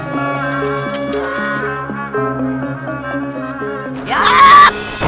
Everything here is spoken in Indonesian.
tidak ada apa apa